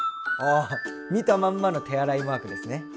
あ見たまんまの手洗いマークですね。